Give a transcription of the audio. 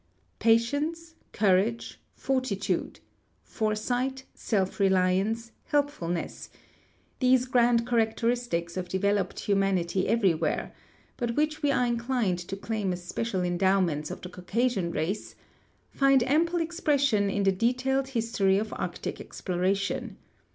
Patience, courage, fortitude, foresight, self reliance, helpful ness— these grand characteristics of developed humanity every where, but which we are inclined to claim as special endowments of the Caucasian race — find ample expression in the detailed history of Arctic exploration.